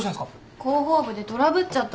広報部でトラブっちゃったんですよ。